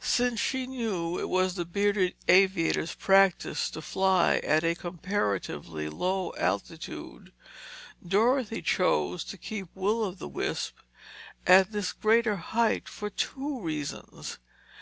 Since she knew it was the bearded aviator's practice to fly at a comparatively low altitude, Dorothy chose to keep Will o' the Wisp at this greater height for two reasons.